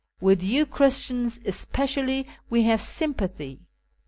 With 3'ou Christians especially we have sympathy.